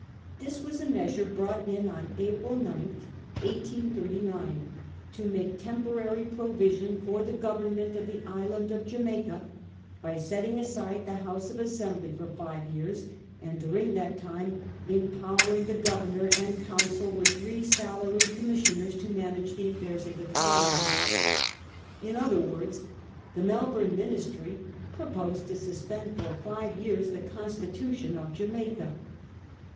This was a measure brought in on April 9, 1839, to make temporary provision for the government of the island of Jamaica, by setting aside the House of As sembly for five years, and during that time empower ing the governor and council with three salaried com missioners to manage the affairs of the colony. In other words, the Melbourne Ministry proposed to suspend for five years the constitution of Jamaica.